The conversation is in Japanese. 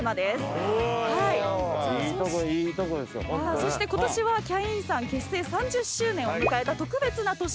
そして今年はキャインさん結成３０周年を迎えた特別な年。